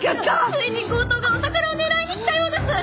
ついに強盗がお宝を狙いに来たようです！